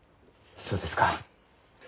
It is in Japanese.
そうですか。